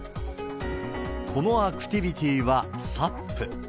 このアクティビティーはサップ。